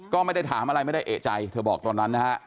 ก็ไม่ได้ถามอะไรไม่ได้เอกใจเธอบอกตอนนั้นนะฮะ